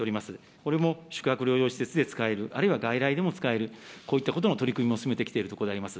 これも宿泊療養施設で使える、あるいは外来でも使える、こういったことの取り組みも進めてきているところであります。